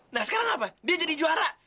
nah sekarang apa dia jadi juara